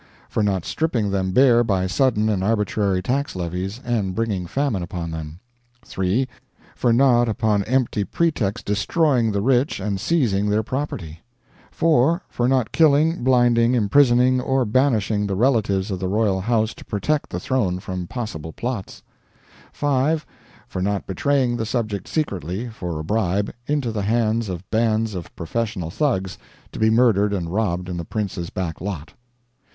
For not stripping them bare by sudden and arbitrary tax levies, and bringing famine upon them; 3. For not upon empty pretext destroying the rich and seizing their property; 4. For not killing, blinding, imprisoning, or banishing the relatives of the royal house to protect the throne from possible plots; 5. For not betraying the subject secretly, for a bribe, into the hands of bands of professional Thugs, to be murdered and robbed in the prince's back lot.